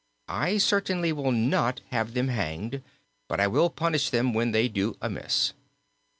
I certainly will not have them hanged, but I will punish them when they do amiss.'